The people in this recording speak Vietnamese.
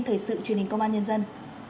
thời sự truyền hình công an nhân dân